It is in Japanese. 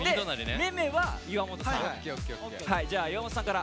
めめは岩本さん。